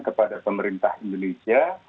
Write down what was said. kepada pemerintah indonesia